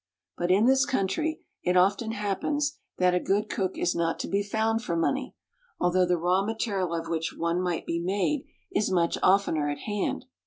But in this country, it often happens that a good cook is not to be found for money, although the raw material of which one might be made is much oftener at hand.